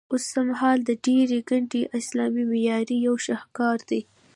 اوسمهال د ډبرې ګنبد د اسلامي معمارۍ یو شهکار دی.